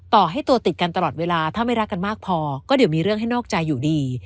ต่อให้ตัวติดกันตลอดเวลาถ้าไม่รักกันมากพอก็เดี๋ยวมีเรื่องให้นอกใจอยู่ดี